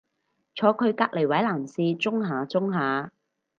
坐佢隔離位男士舂下舂下